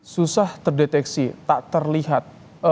susah terdeteksi tak terlihat